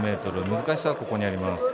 ３０００ｍの難しさはここにあります。